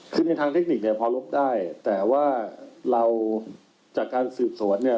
คือในทางเทคนิคเนี่ยพอลบได้แต่ว่าเราจากการสืบสวนเนี่ย